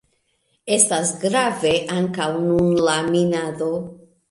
Estas grave ankaŭ nun la minado.